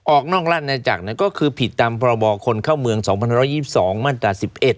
ออกนอกราชนาจักรก็คือผิดตามพรบคนเข้าเมือง๒๑๒๒มาตรา๑๑